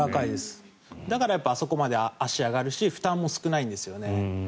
だからあそこまで足が上がるし負担も少ないんですよね。